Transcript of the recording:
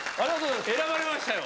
選ばれましたよ。